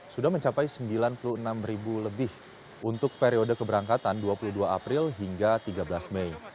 sudah mencapai sembilan puluh enam ribu lebih untuk periode keberangkatan dua puluh dua april hingga tiga belas mei